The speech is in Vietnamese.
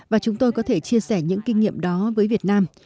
và chúng tôi có thể chia sẻ những kinh nghiệm đó với việt nam